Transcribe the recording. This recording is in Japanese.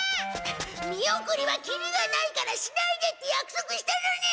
見送りはキリがないからしないでってやくそくしたのに！